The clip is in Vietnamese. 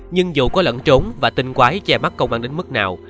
nhưng dù có lẫn trốn và tinh quái che mắt công an đến mức nào